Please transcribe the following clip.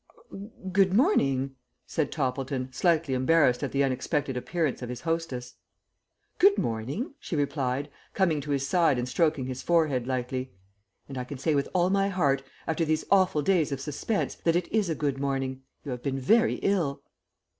"Good morning!" said Toppleton, slightly embarrassed at the unexpected appearance of his hostess. "Good morning!" she replied, coming to his side and stroking his forehead lightly. "And I can say with all my heart, after these awful days of suspense, that it is a good morning. You have been very ill."